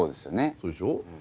そうでしょ？